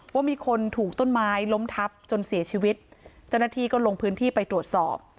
ว่ามีคนถูกต้นไม้ล้มทับจนเสียชีวิตเจ้าหน้าที่ก็ลงพื้นที่ไปตรวจสอบ